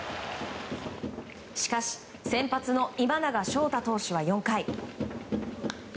しかし先発の今永昇太投手は４回。